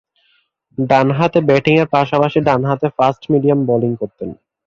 ডানহাতে ব্যাটিংয়ের পাশাপাশি ডানহাতে ফাস্ট মিডিয়াম বোলিং করতেন।